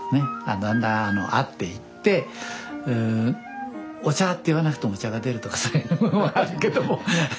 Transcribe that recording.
だんだん合っていって「お茶」って言わなくてもお茶が出るとかそういうのもあるけども。